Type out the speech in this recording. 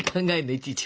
いちいち。